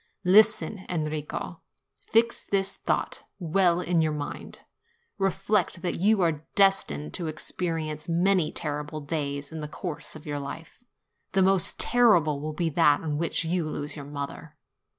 Listen, Enrico. Fix this thought well in your mind. Reflect that you are destined to experience many terrible days in the course of your life: the most terrible will be that on which you lose your mother.